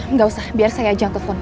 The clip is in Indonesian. nggak usah biar saya ajang telepon